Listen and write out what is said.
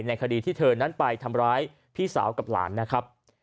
ในคดีที่เธอนั้นไปทำร้ายพี่สาวกับหลานนะครับ